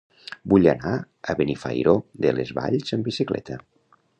Vull anar a Benifairó de les Valls amb bicicleta.